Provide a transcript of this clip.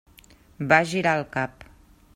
Va girar el cap.